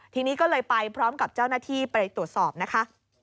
ทีนี้ก็เลยไปพร้อมกับเจ้าหน้าที่ไปตรวจสอบนะคะ